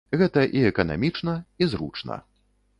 Гэта і эканамічна, і зручна.